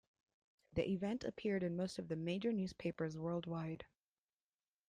The event appeared in most of the major newspapers worldwide.